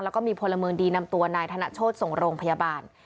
แล้วก็มีพลเมืองดีนำตัวนายธนโชธส่งโรงพยาบาล